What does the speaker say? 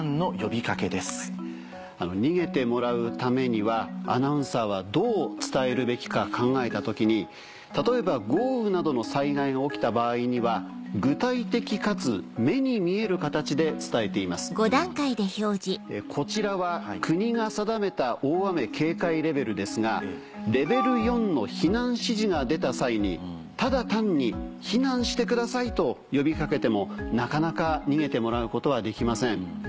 逃げてもらうためにはアナウンサーはどう伝えるべきか考えた時に例えば豪雨などの災害が起きた場合には。こちらは国が定めた大雨警戒レベルですがレベル４の「避難指示」が出た際にただ単に「避難してください」と呼び掛けてもなかなか逃げてもらうことはできません。